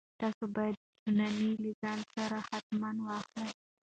تاسو باید ایوانان له ځان سره حتماً واخلئ.